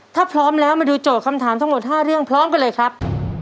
ถ้าพร้อมแล้วมาดูโจทย์คำถามทั้งหมด๕เรื่องพร้อมกันเลยครับ